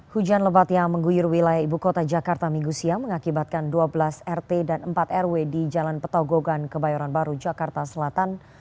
hujan lebat yang mengguyur wilayah ibu kota jakarta minggu siang mengakibatkan dua belas rt dan empat rw di jalan petogogan kebayoran baru jakarta selatan